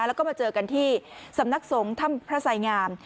แล้วก็มาเจอกันที่สำนักสงฆ์ถ้ำพระสายงาม